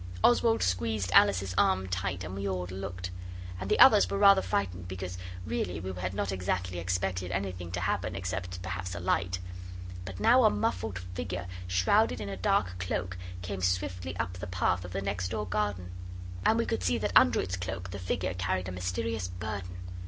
Oswald squeezed Alice's arm tight, and we all looked; and the others were rather frightened because really we had not exactly expected anything to happen except perhaps a light. But now a muffled figure, shrouded in a dark cloak, came swiftly up the path of the next door garden. And we could see that under its cloak the figure carried a mysterious burden.